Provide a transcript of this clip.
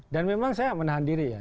dan memang saya menahan diri ya